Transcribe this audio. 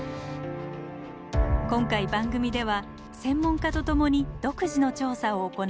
今回番組では専門家と共に独自の調査を行いました。